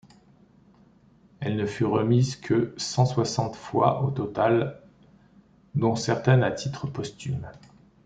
Elle ne fut remise que cent-soixante fois au total, dont certaines à titre posthume.